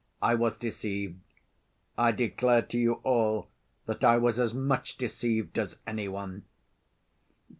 I was deceived. I declare to you all that I was as much deceived as any one."